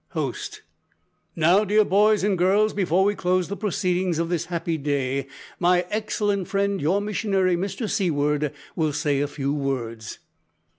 (Host.) "Now, dear boys and girls, before we close the proceedings of this happy day, my excellent friend, your missionary, Mr Seaward, will say a few words."